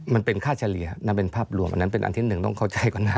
มันเป็นค่าเฉลี่ยนั่นเป็นภาพรวมอันนั้นเป็นอันที่หนึ่งต้องเข้าใจก่อนนะ